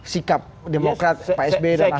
sikap demokrat psb dan ahi